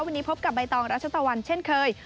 วันนี้พบกับใบตองรัชตะวันเช่นเคย